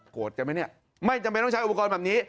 ใช่ไหมเนี่ยไม่จำเป็นต้องใช้อุปกรณ์แบบนี้